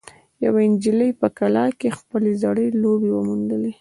یوه نجلۍ په کلا کې خپلې زړې لوبې وموندې.